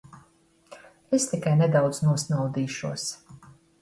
Es tikai nedaudz nosnaudīšos.